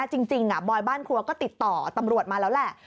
บอยบ้านครัวก็ติดต่อตำรวจมาแล้วแหละ